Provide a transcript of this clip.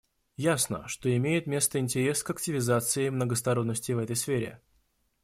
Ясно, что имеет место интерес к активизации многосторонности в этой сфере.